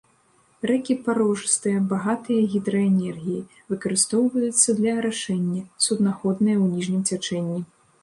Рэкі парожыстыя, багатыя гідраэнергіяй, выкарыстоўваюцца для арашэння, суднаходныя ў ніжнім цячэнні.